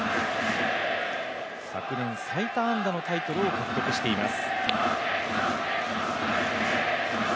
昨年、最多安打のタイトルを獲得しています。